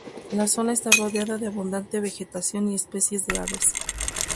La zona está rodeada de abundante vegetación y especies de aves.